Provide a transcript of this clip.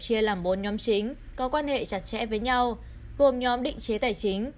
chia làm bốn nhóm chính có quan hệ chặt chẽ với nhau gồm nhóm định chế tài chính